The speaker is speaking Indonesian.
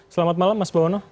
selamat malam mas bawono